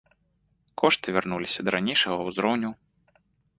Кошты вярнуліся да ранейшага ўзроўню.